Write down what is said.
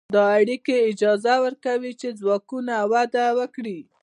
دا اړیکې اجازه ورکوي چې ځواکونه وده وکړي.